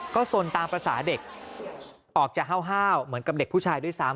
ก็สนตามภาษาเด็กออกจะห้าวเหมือนกับเด็กผู้ชายด้วยซ้ำ